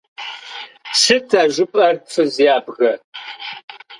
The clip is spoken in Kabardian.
Сыт а жыпӀэр, фыз ябгэ?!